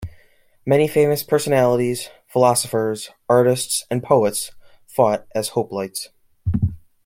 Many famous personalities, philosophers, artists, and poets fought as hoplites.